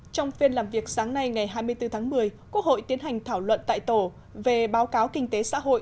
trong phiên làm việc sáng nay ngày hai mươi bốn tháng một mươi quốc hội tiến hành thảo luận tại tổ về báo cáo kinh tế xã hội